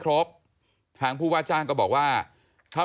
ขอบคุณครับและขอบคุณครับ